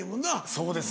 そうですよ。